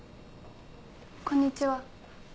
こんにちは。